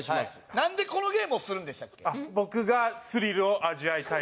何でこのゲームをするんでしたっけ？